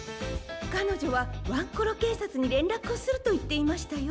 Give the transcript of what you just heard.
かのじょはワンコロけいさつにれんらくをするといっていましたよ。